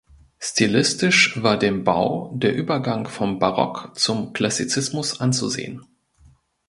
Stilistisch war dem Bau der Übergang vom Barock zum Klassizismus anzusehen.